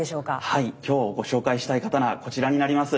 はい今日ご紹介したい刀はこちらになります。